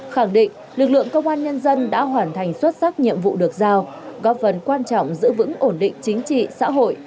khẳng định lực lượng công an nhân dân đã hoàn thành xuất sắc nhiệm vụ được giao góp phần quan trọng giữ vững ổn định chính trị xã hội